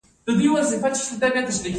د نغلو بند د کابل باغونه خړوبوي.